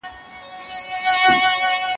نه یې شرم وو له کلي نه له ښاره